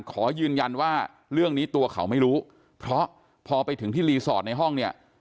ขอยืนยันว่าเรื่องนี้ตัวเขาไม่รู้เพราะพอไปถึงที่รีสอร์ทในห้องเนี่ย